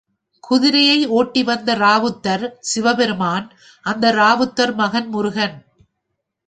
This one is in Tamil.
குதிரையை ஓட்டி வந்த ராவுத்தர் சிவபெருமான், அந்த ராவுத்தர் மகன் முருகன்.